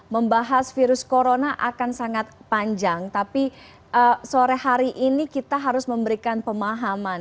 membahas virus corona akan sangat panjang tapi sore hari ini kita harus memberikan pemahaman